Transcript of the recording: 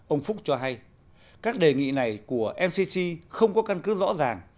ông phúc cho hay các đề nghị này của mcc không có căn cứ rõ ràng